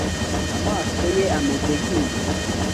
Amaso ye ameze nk'ingwe.